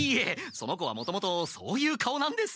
その子はもともとそういう顔なんです。